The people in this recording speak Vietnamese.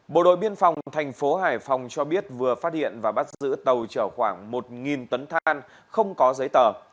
bộ đội biên phòng thành phố hải phòng cho biết vừa phát hiện và bắt giữ tàu chở khoảng một tấn than không có giấy tờ